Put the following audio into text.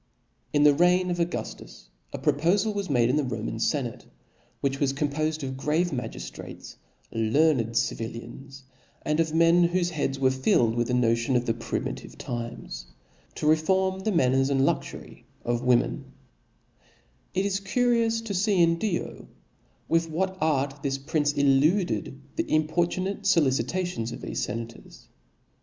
In the reign of Auguftus, a propofal was made in the Ron^an fenate, which was compofed of grave magiftrates, learned civilians, and of men whofc headsr were filled with the notion of the primitive times, to reform the manners and luxury of women, f) Dio It ^s curious to fee in T>io (*), with what art this ^^^ffius, prince eluded the importunate follicitations of thofe fenators.